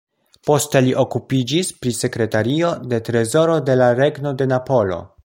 Poste li okupiĝis pri sekretario de trezoro de la Regno de Napolo.